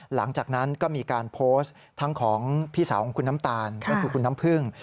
หลังจากนั้นก็มีการโพสต์ทั้งของพี่สาวของคุณน้ำตาลก็คือคุณน้ำพึ่ง